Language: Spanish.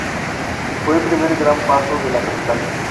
Fue el primer gran paseo de la capital.